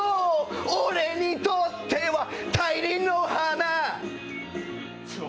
俺にとっては大輪の花！